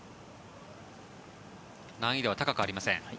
難易度は高くありません。